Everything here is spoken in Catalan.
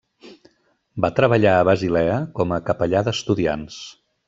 Va treballar a Basilea com a capellà d'estudiants.